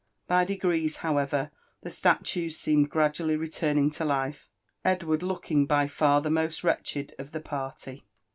By degrees, how ever, the statues seemed gradually returning to life — ^Edward looked by far the most wretched of the party.